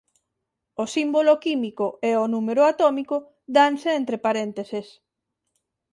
O símbolo químico e o número atómico danse entre parénteses.